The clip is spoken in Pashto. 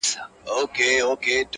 حکیمي صاحب پر کم سن